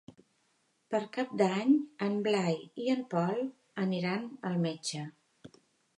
Per Cap d'Any en Blai i en Pol aniran al metge.